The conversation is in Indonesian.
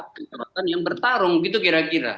kekuatan yang bertarung gitu kira kira